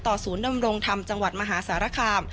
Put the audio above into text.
ศูนย์ดำรงธรรมจังหวัดมหาสารคาม